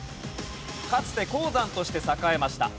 かつて鉱山として栄えました。